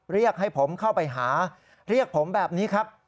เรียกให้ผมเข้าไปหาเรียกผมแบบนี้ครับ